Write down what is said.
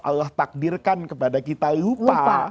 allah takdirkan kepada kita lupa